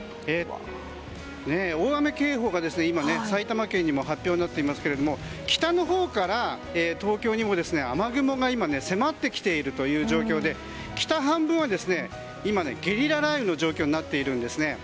大雨警報が今、埼玉県にも発表になってますけど北のほうから東京にも雨雲が迫ってきている状況で北半分は今、ゲリラ雷雨の状況になっているんですね。